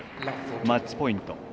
マッチポイント。